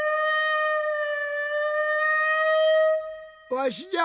わしじゃ！